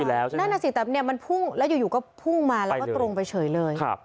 นั่นอ่ะสิแต่แต่งนี้มันพุ่งแล้วอยู่อยู่ก็พังมาก็หลงไปเฉยเลย